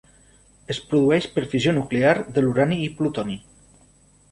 Es produeix per fissió nuclear de l'urani i plutoni.